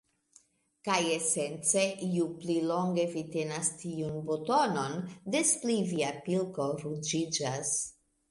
Kaj esence ju pli longe vi tenas tiun butonon, des pli via pilko ruĝiĝas.